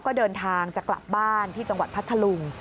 ก็เดินทางจะกลับบ้านที่จังหวัดพัทธลุง